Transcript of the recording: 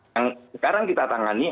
yang sekarang kita tangani